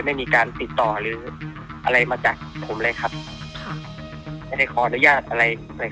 ไม่มีการติดต่อหรืออะไรมาจากผมเลยครับค่ะไม่ได้ขออนุญาตอะไรเลย